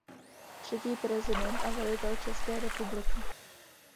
Třetí prezident a velitel České republiky.